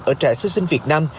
ở trẻ sơ sinh việt nam